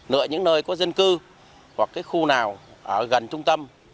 nợ những nơi có dân cư hoặc cái khu nào gần trung tâm